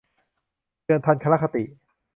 เดือนจันทรคติ